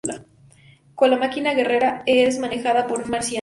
Como la máquina guerrera, es manejada por un marciano.